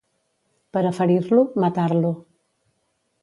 Per a ferir-lo, matar-lo.